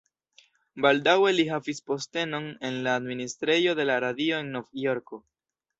Baldaŭe li havis postenon en la administrejo de la Radio en Novjorko.